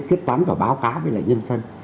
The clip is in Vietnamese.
kết sán vào báo cá với lại nhân dân